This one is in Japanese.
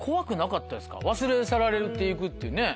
忘れ去られていくっていうね